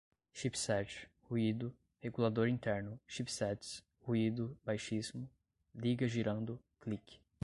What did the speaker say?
chipset, ruído, regulador interno, chipsets, ruído baixíssimo, liga girando, click